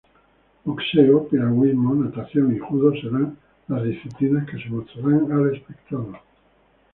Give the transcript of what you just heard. Boxeo, piragüismo, natación y judo serán las disciplinas que se mostrarán al espectador.